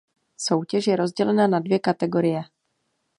Soutěž je rozdělena na dvě kategorie.